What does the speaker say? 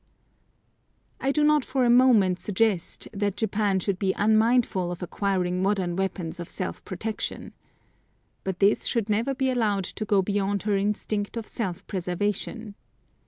I do not for a moment suggest, that Japan should be unmindful of acquiring modern weapons of self protection. But this should never be allowed to go beyond her instinct of self preservation.